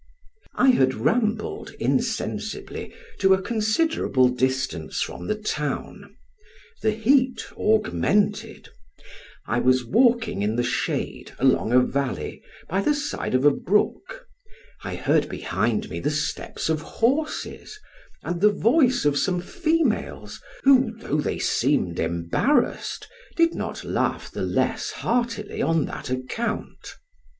I had rambled insensibly, to a considerable distance from the town the heat augmented I was walking in the shade along a valley, by the side of a brook, I heard behind me the steps of horses, and the voice of some females who, though they seemed embarrassed, did not laugh the less heartily on that account.